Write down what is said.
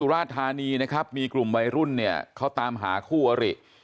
ราชธานีนะครับมีกลุ่มวัยรุ่นเนี่ยเขาตามหาคู่อริ